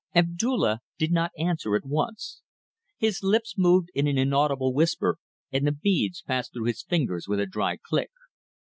Abdulla did not answer at once. His lips moved in an inaudible whisper and the beads passed through his fingers with a dry click.